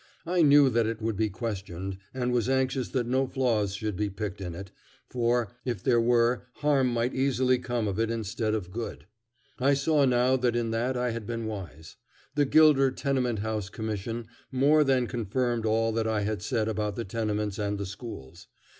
I knew that it would be questioned, and was anxious that no flaws should be picked in it, for, if there were, harm might easily come of it instead of good. I saw now that in that I had been wise. The Gilder Tenement House Commission more than confirmed all that I had said about the tenements and the schools.